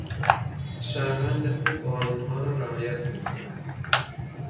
شهروند خوب قانونها را رعایت میکند.